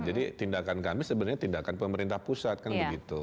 jadi tindakan kami sebenarnya tindakan pemerintah pusat kan begitu